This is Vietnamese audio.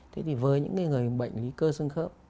thế thì với những người bệnh lý cơ xương khớp